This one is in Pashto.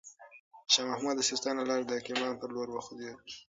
شاه محمود د سیستان له لاري د کرمان پر لور وخوځېد.